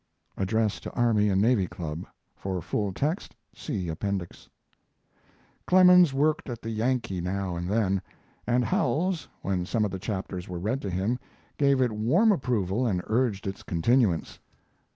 [Address to Army and Navy Club. For full text see Appendix] Clemens worked at the Yankee now and then, and Howells, when some of the chapters were read to him, gave it warm approval and urged its continuance.